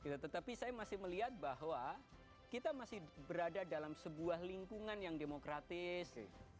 tetapi saya masih melihat bahwa kita masih berada dalam sebuah lingkungan yang demokratis